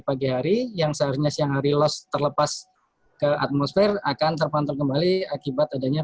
pagi hari yang seharusnya siang hari loss terlepas ke atmosfer akan terpantau kembali akibat adanya